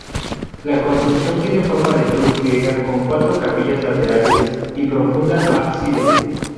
La construcción tiene forma de cruz griega con cuatro capillas laterales y profunda ábside.